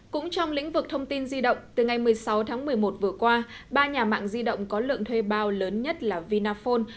cũng trong lĩnh vực thông tin di động từ ngày một mươi sáu tháng một mươi một vừa qua ba nhà mạng di động có lượng thuê bao lớn nhất là vinaphone